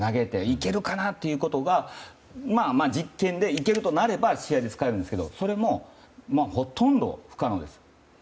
いけるかなということを実験して、いけるとなれば試合で使うんですけどそれもほとんど不可能です。